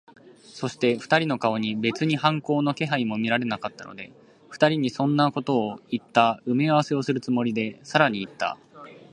そして、二人の顔に別に反抗の気配も見られなかったので、二人にそんなことをいった埋合せをするつもりで、さらにいった。